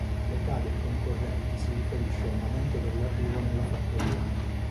L'età dei concorrenti si riferisce al momento dell'arrivo nella fattoria.